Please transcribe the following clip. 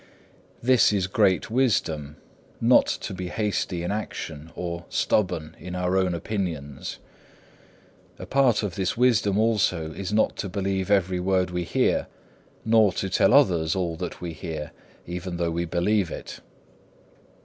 2. This is great wisdom, not to be hasty in action, or stubborn in our own opinions. A part of this wisdom also is not to believe every word we hear, nor to tell others all that we hear, even though we believe it.